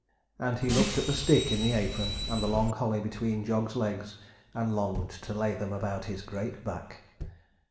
And he looked at the stick in the apron, and the long holly between Jog's legs, and longed to lay them about his great back.